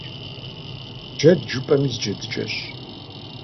Джэд жыпӏэми зы джэдыкӏэщ.